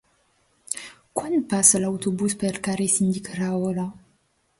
Quan passa l'autobús pel carrer Síndic Rahola?